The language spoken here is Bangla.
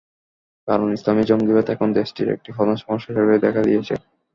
কারণ ইসলামি জঙ্গিবাদ এখন দেশটির একটি প্রধান সমস্যা হিসেবে দেখা দিয়েছে।